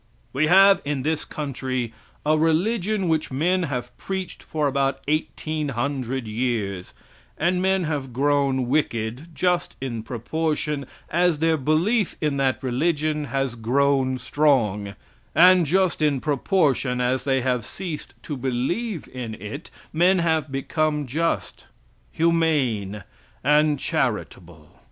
We have in this country a religion which men have preached for about eighteen hundred years, and men have grown wicked just in proportion as their belief in that religion has grown strong; and just in proportion as they have ceased to believe in it, men have become just, humane and charitable.